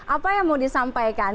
apa yang mau disampaikan